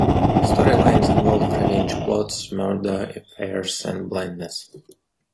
Storylines involved revenge plots, murder, affairs, and blindness.